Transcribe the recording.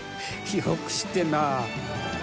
よく知ってるな。